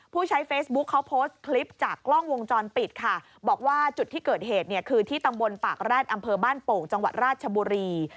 ผู้ใช้เฟซบุ๊คเขาโพสต์คลิปจากกล้องวงจรปิดค่ะบอกว่าจุดที่เกิดเหตุเนี่ยคือที่ตำบลปากแร็ดอำเภอบ้านโป่งจังหวัดราชบุรี